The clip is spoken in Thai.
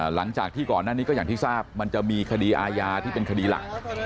หลังจากที่ก่อนหน้านี้ก็อย่างที่ทราบมันจะมีคดีอาญาที่เป็นคดีหลัก